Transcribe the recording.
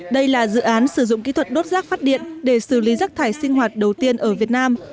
đây là dự án sử dụng kỹ thuật đốt rác phát điện để xử lý rác thải sinh hoạt đầu tiên ở việt nam